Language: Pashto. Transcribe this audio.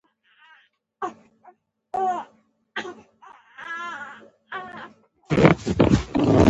شعر، غزل ثمر مې یې